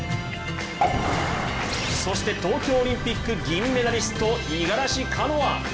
そして、東京オリンピック銀メダリスト、五十嵐カノア。